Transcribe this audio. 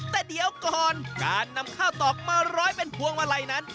แต่เดี๋ยวก่อนการนำข้าวตอกมาร้อยเป็นพวงมาลัยนั้น